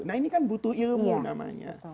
nah ini kan butuh ilmu namanya